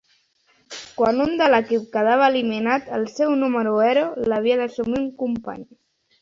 Quan un de l'equip quedava eliminat el seu número ero l'havia d'assumir un company.